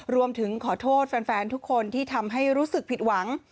รวมถึงขอโทษแฟนทุกคนที่ทำให้รู้สึกผิดหวัง